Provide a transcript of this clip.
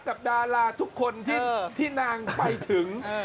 ดาราทุกคนที่นางไปถึง